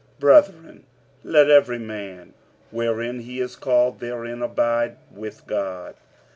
46:007:024 Brethren, let every man, wherein he is called, therein abide with God.